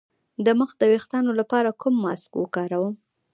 د مخ د ويښتانو لپاره کوم ماسک وکاروم؟